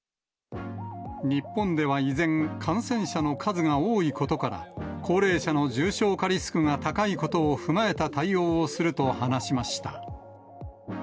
日本では依然、感染者の数が多いことから、高齢者の重症化リスクが高いことを踏まえた対応をすると話しました。